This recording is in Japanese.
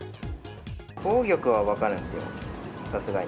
紅玉は分かるんですよ、さすがに。